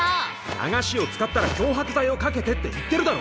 流しを使ったら漂白剤をかけてって言ってるだろ！